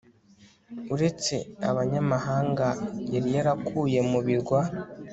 uretse abanyamahanga yari yarakuye mu birwa